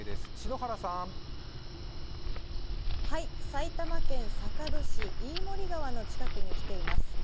埼玉県坂戸市、飯盛川の近くに来ています。